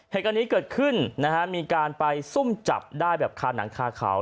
เหตุการณ์นี้เกิดขึ้นนะฮะมีการไปซุ่มจับได้แบบคาหนังคาเขา